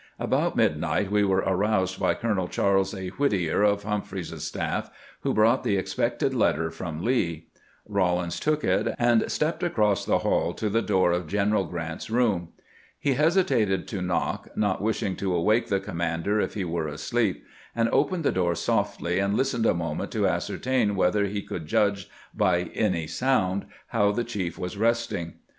About midnight we were aroused by Colonel Charles A. Whittier of Humphreys's staff, who brought the expected letter from Lee. Eaw MOEE OOEKESPOlirDENCE WITH LEE 463 lins took it, and stepped across tlie hall to the door of General Grant's room. He hesitated to knock, not wish ing to awake the commander if he were asleep, and opened the door softly and listened a moment to ascer tain whether he could judge by any sound how the chief was resting.